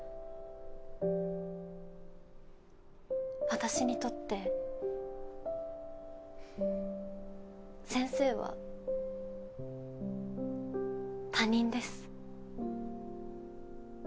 私にとって先生は他人です。